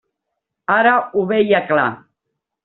Ara ho veia clar.